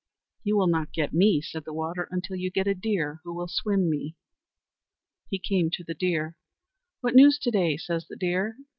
"You will not get me," said the water, "until you get a deer who will swim me." He came to the deer "What news to day?" says the deer.